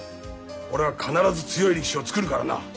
俺は必ず強い力士を作るからな。